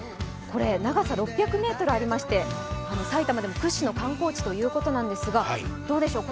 長さ６００ｍありまして、埼玉でも屈指の観光地ということですがどうでしょう？